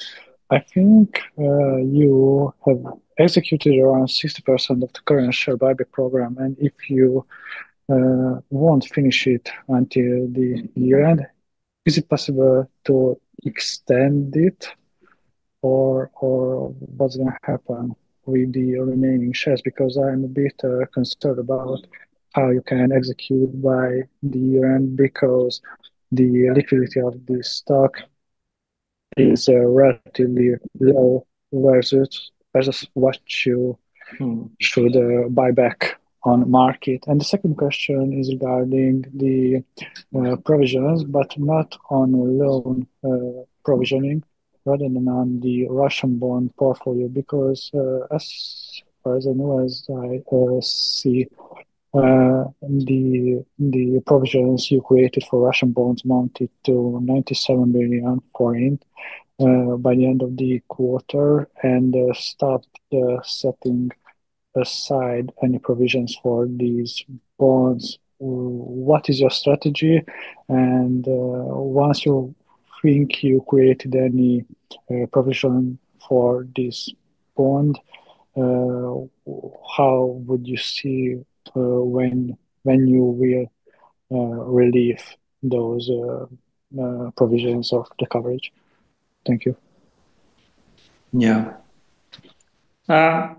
I think you have executed around 60% of the current share buyback program. And if you won't finish it until the year end, is it possible to extend it, or what's going to happen with the remaining shares? Because I'm a bit concerned about how you can execute by the year end because the liquidity of the stock is relatively low versus what you should buy back on market. And the second question is regarding the provisions, but not on loan provisioning, rather than on the Russian bond portfolio. Because as far as I know, as I see, the provisions you created for Russian bonds amounted to 97 million forint by the end of the quarter and stopped setting aside any provisions for these bonds. What is your strategy? And once you think you created any provision for this bond, how would you see when you will relieve those provisions of the coverage? Thank you. Yeah. I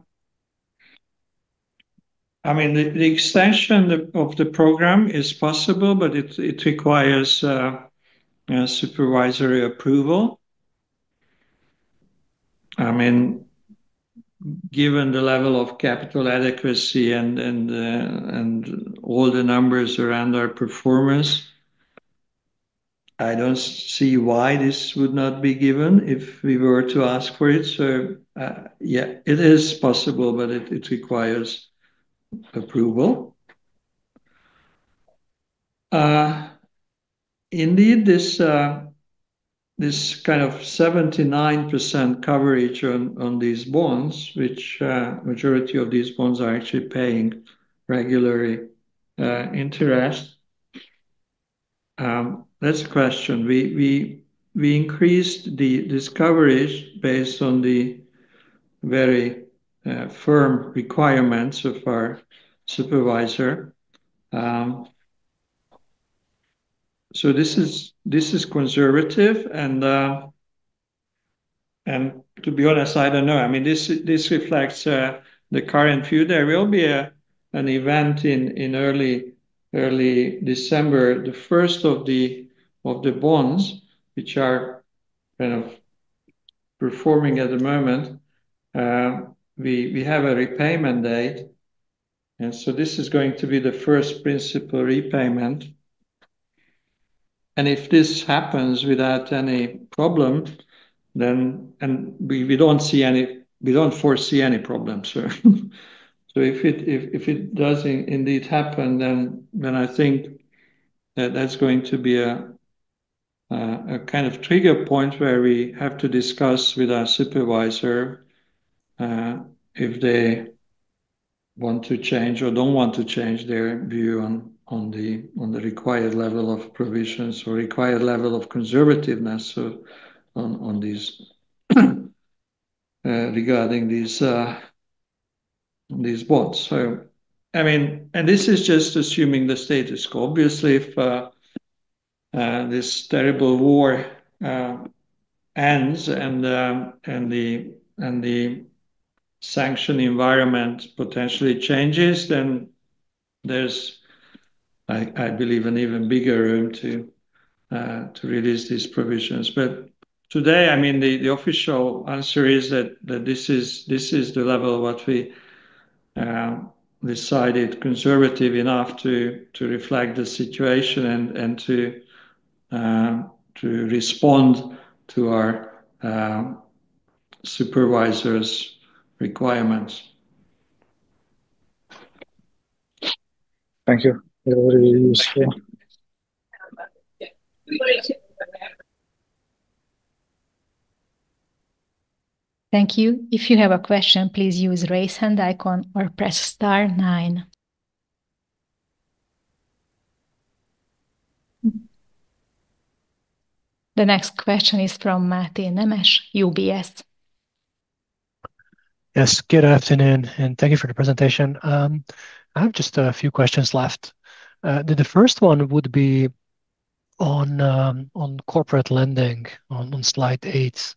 mean, the extension of the program is possible, but it requires supervisory approval. I mean, given the level of capital adequacy and all the numbers around our performance, I don't see why this would not be given if we were to ask for it. So yeah, it is possible, but it requires approval. Indeed, this kind of 79% coverage on these bonds, which majority of these bonds are actually paying regularly interest. That's a question. We increased this coverage based on the very firm requirements of our supervisor. So this is conservative. And to be honest, I don't know. I mean, this reflects the current view. There will be an event in early December, the first of the bonds, which are kind of performing at the moment. We have a repayment date. And so this is going to be the first principal repayment. And if this happens without any problem, then we don't see any we don't foresee any problems. So if it does indeed happen, then I think that's going to be a kind of trigger point where we have to discuss with our supervisor if they want to change or don't want to change their view on the required level of provisions or required level of conservativeness regarding these bonds. So I mean, and this is just assuming the status quo. Obviously, if this terrible war ends and the sanction environment potentially changes, then there's, I believe, an even bigger room to release these provisions. But today, I mean, the official answer is that this is the level of what we decided conservative enough to reflect the situation and to respond to our supervisors' requirements. Thank you. Thank you. If you have a question, please use raise hand icon or press star nine. The next question is from Mate Nemes, UBS. Yes. Good afternoon, and thank you for the presentation. I have just a few questions left. The first one would be on corporate lending on slide eight.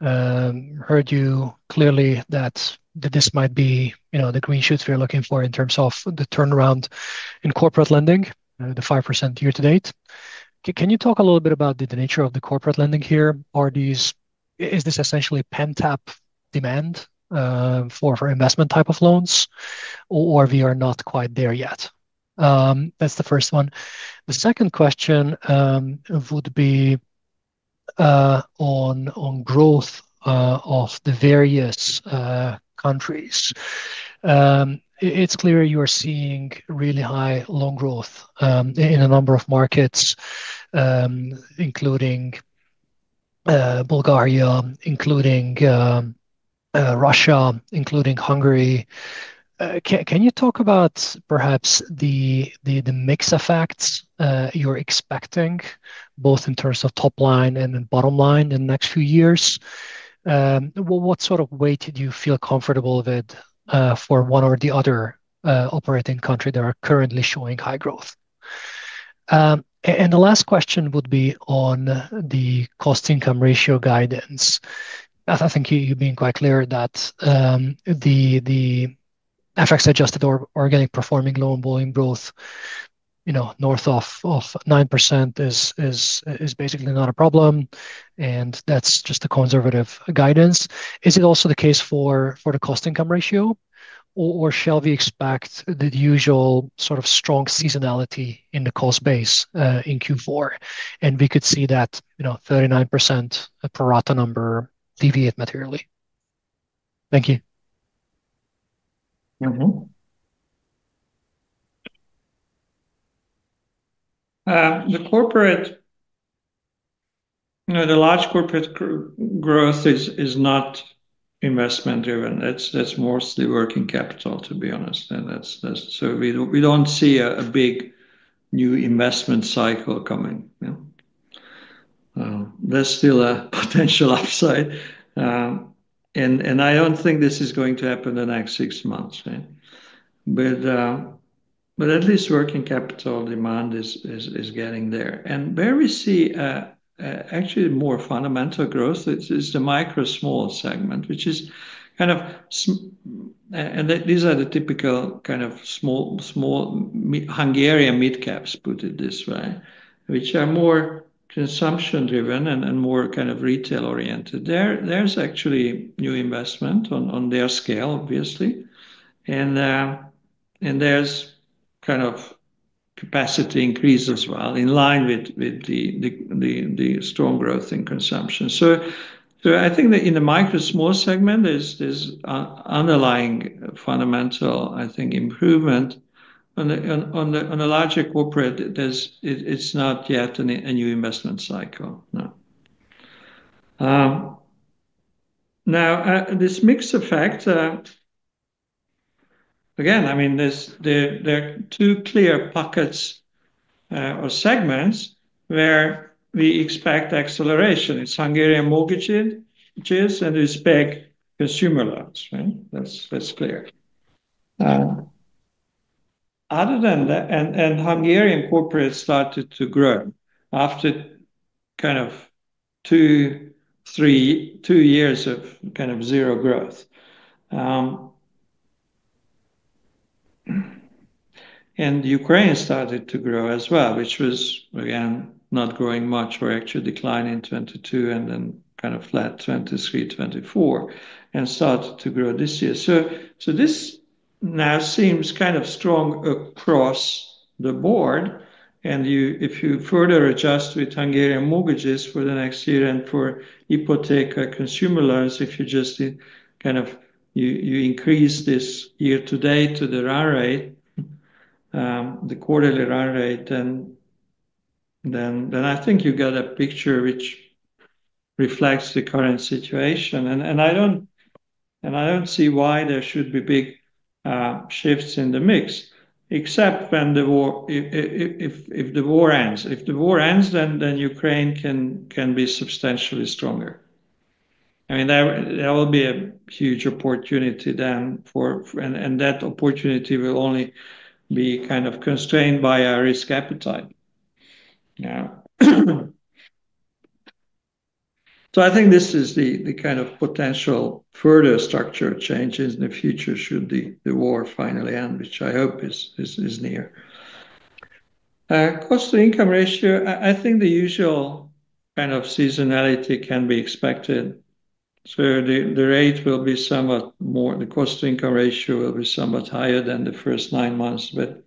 Heard you clearly that this might be the green shoots we're looking for in terms of the turnaround in corporate lending, the 5% year-to-date. Can you talk a little bit about the nature of the corporate lending here? Is this essentially pent-up demand for investment type of loans, or we are not quite there yet? That's the first one. The second question would be on growth of the various countries. It's clear you are seeing really high loan growth in a number of markets, including Bulgaria, including Russia, including Hungary. Can you talk about perhaps the mix of effects you're expecting, both in terms of top line and then bottom line in the next few years? What sort of weight did you feel comfortable with for one or the other operating country that are currently showing high growth? And the last question would be on the Cost-Income Ratio guidance. I think you've been quite clear that the FX-adjusted organic performing loan-boring growth north of 9% is basically not a problem. And that's just a conservative guidance. Is it also the case for the Cost-Income Ratio, or shall we expect the usual sort of strong seasonality in the cost base in Q4? We could see that 39% pro rata number deviate materially. Thank you. The large corporate growth is not investment-driven. That's mostly working capital, to be honest. We don't see a big new investment cycle coming. There's still a potential upside. I don't think this is going to happen in the next six months. At least working capital demand is getting there. Where we see actually more fundamental growth is the micro small segment, which is kind of, and these are the typical kind of small Hungarian midcaps, put it this way, which are more consumption-driven and more kind of retail-oriented. There's actually new investment on their scale, obviously. There's kind of capacity increase as well in line with the strong growth in consumption. I think that in the micro small segment, there's underlying fundamental, I think, improvement. On a larger corporate, it's not yet a new investment cycle. Now, this mixed effect, again, I mean, there are two clear pockets or segments where we expect acceleration. It's Hungarian mortgages, and there's big consumer loans. That's clear. And Hungarian corporates started to grow after kind of two, three years of kind of zero growth. And Ukraine started to grow as well, which was, again, not growing much. We're actually declining 2022 and then kind of flat 2023, 2024, and started to grow this year. So this now seems kind of strong across the board. And if you further adjust with Hungarian mortgages for the next year and for Ipoteka consumer loans, if you just kind of increase this year-to-date to the run rate, the quarterly run rate, then I think you get a picture which reflects the current situation. And I don't see why there should be big shifts in the mix, except if the war ends. If the war ends, then Ukraine can be substantially stronger. I mean, there will be a huge opportunity then, and that opportunity will only be kind of constrained by our risk appetite. So I think this is the kind of potential further structure change in the future should the war finally end, which I hope is near. Cost-to-income ratio, I think the usual kind of seasonality can be expected. So the rate will be somewhat more, the cost-to-income ratio will be somewhat higher than the first nine months. But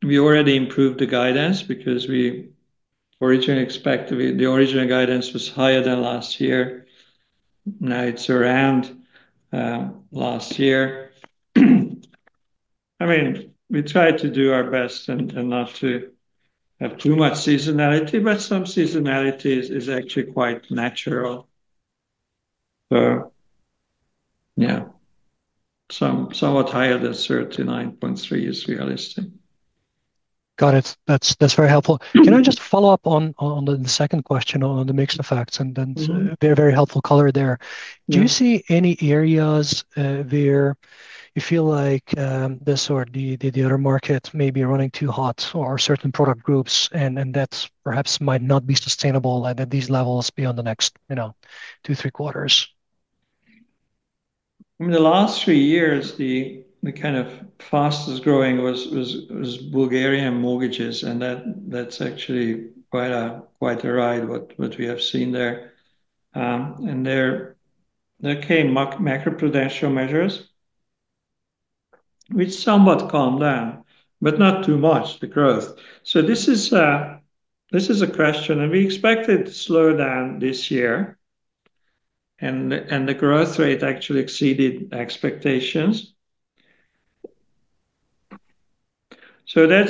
we already improved the guidance because we originally expected the original guidance was higher than last year. Now it's around last year. I mean, we tried to do our best and not to have too much seasonality, but some seasonality is actually quite natural. So yeah, somewhat higher than 39.3 is realistic. Got it. That's very helpful. Can I just follow up on the second question on the mix of effects and then very, very helpful color there? Do you see any areas where you feel like this or the other market may be running too hot or certain product groups, and that perhaps might not be sustainable at these levels beyond the next two, three quarters? I mean, the last three years, the kind of fastest growing was Bulgarian mortgages. And that's actually quite a ride what we have seen there. And there came macroprudential measures, which somewhat calmed down, but not too much the growth. So this is a question, and we expected slowdown this year. And the growth rate actually exceeded expectations. So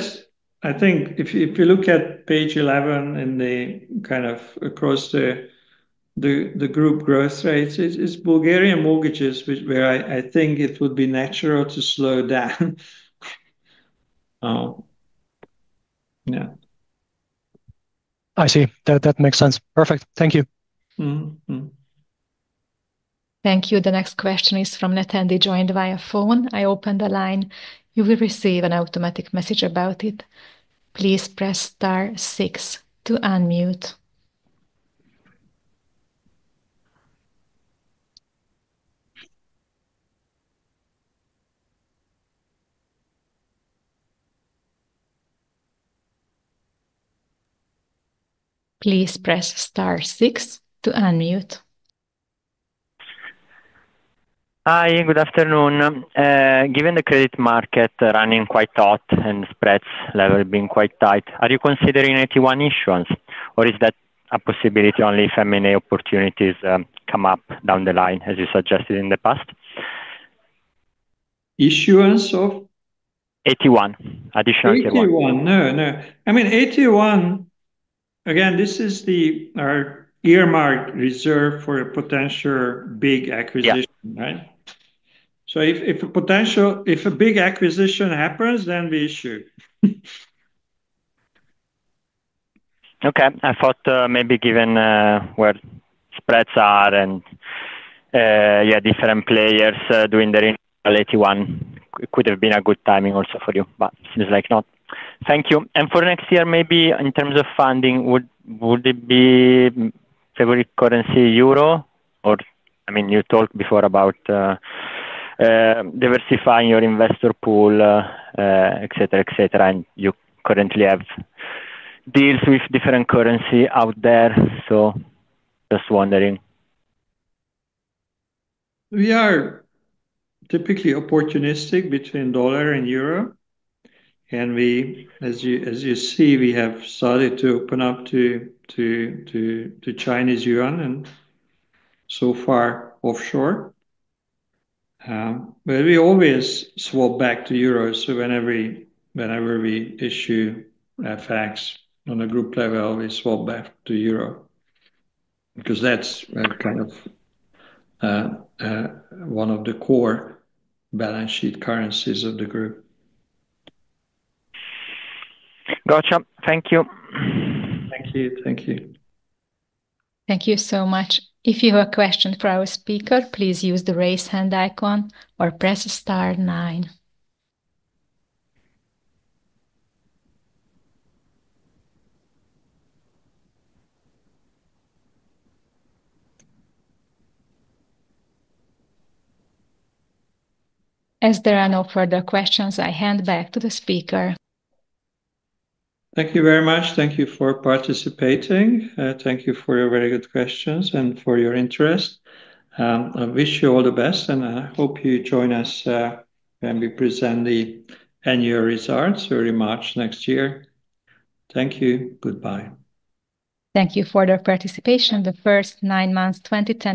I think if you look at page 11 in the kind of across the group growth rates, it's Bulgarian mortgages, where I think it would be natural to slow down. Yeah. I see. That makes sense. Perfect. Thank you. Thank you. The next question is from Nathan, they joined via phone. I opened the line. You will receive an automatic message about it. Please press star six to unmute. Please press star six to unmute. Hi. Good afternoon. Given the credit market running quite hot and spreads level being quite tight, are you considering AT1 issuance, or is that a possibility only if M&A opportunities come up down the line, as you suggested in the past? Issuance of? AT1. Additional AT1. AT1. AT1 No, no. I mean, AT1, again, this is the earmarked reserve for a potential big acquisition, right? So if a big acquisition happens, then we issue. Okay. I thought maybe given where spreads are and, yeah, different players doing their AT1, it could have been a good timing also for you, but seems like not. Thank you. And for next year, maybe in terms of funding, would it be favorite currency euro? Or I mean, you talked before about diversifying your investor pool, etc., etc. And you currently have deals with different currency out there. So just wondering. We are typically opportunistic between dollar and euro. And as you see, we have started to open up to Chinese yuan and so far offshore. But we always swap back to euros. So whenever we issue FX on a group level, we swap back to euro because that's kind of one of the core balance sheet currencies of the group. Gotcha. Thank you. Thank you. Thank you. Thank you so much. If you have a question for our speaker, please use the raise hand icon or press star nine. As there are no further questions, I hand back to the speaker. Thank you very much. Thank you for participating. Thank you for your very good questions and for your interest. I wish you all the best, and I hope you join us and we present the annual results early March next year. Thank you. Goodbye. Thank you for the participation. The first nine months, 2025.